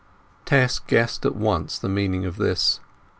Tess guessed at once the meaning of this.